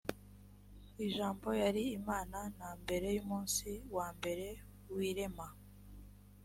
jambo yari imana na mbere y’umunsi wa mbere w’irema